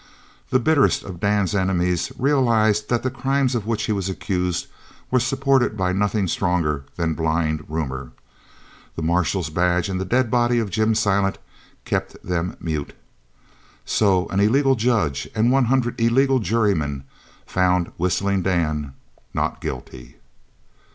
The bitterest of Dan's enemies realized that the crimes of which he was accused were supported by nothing stronger than blind rumour. The marshal's badge and the dead body of Jim Silent kept them mute. So an illegal judge and one hundred illegal jurymen found Whistling Dan "not guilty."